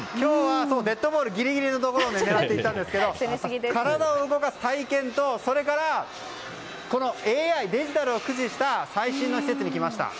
デッドボールのギリギリのところを狙っていったんですけど体を動かす体験とそれからこのＡＩ、デジタルを駆使した最新の施設に来ました。